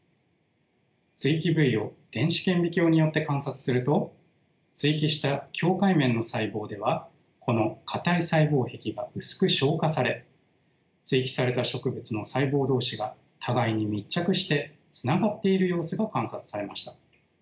接ぎ木部位を電子顕微鏡によって観察すると接ぎ木した境界面の細胞ではこの堅い細胞壁が薄く消化され接ぎ木された植物の細胞同士が互いに密着してつながっている様子が観察されました。